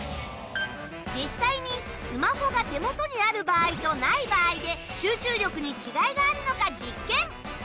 実際にスマホが手元にある場合とない場合で集中力に違いがあるのか実験。